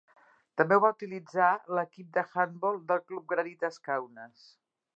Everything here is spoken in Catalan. També ho va utilitzar l'equip d'handbol del club Granitas Kaunas.